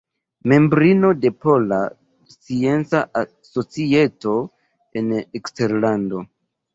Membrino de Pola Scienca Societo en Eksterlando.